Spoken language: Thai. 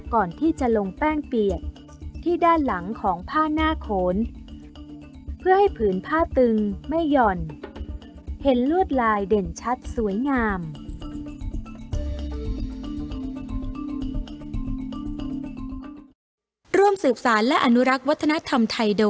ก่อนที่จะลงแป้งเปียกที่ด้านหลังของผ้าหน้าโขนเพื่อให้ผืนผ้าตึงไม่หย่อนเห็นลวดลายเด่นชัดสวยงาม